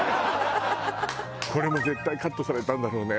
これも絶対カットされたんだろうね。